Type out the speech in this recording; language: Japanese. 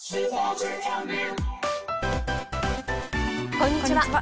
こんにちは。